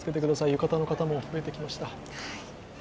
浴衣の方も増えてきました。